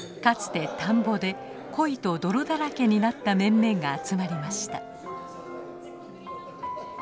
かつて田んぼでコイと泥だらけになった面々が集まりました。